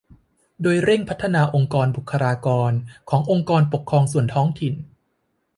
โดยเร่งพัฒนาองค์กรบุคลากรขององค์กรปกครองส่วนท้องถิ่น